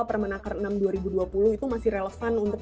permenaker enam dua ribu dua puluh itu masih relevan untuk